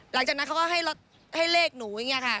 หลังจากนั้นเขาก็ให้เลขหนูอย่างนี้ค่ะ